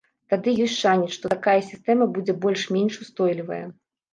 Тады ёсць шанец, што такая сістэма будзе больш-менш устойлівая.